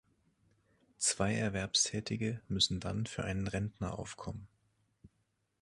Zwei Erwerbstätige müssen dann für einen Rentner aufkommen.